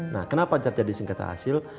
nah kenapa terjadi singketa hasil